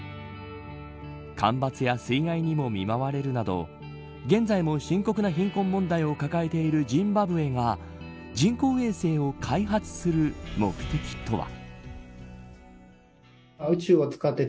干ばつや水害にも見舞われるなど現在も深刻な貧困問題を抱えているジンバブエが人工衛星を開発する目的とは。